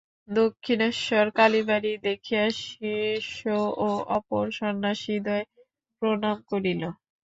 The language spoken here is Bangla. দক্ষিণেশ্বর কালীবাড়ী দেখিয়া শিষ্য ও অপর সন্ন্যাসিদ্বয় প্রণাম করিল।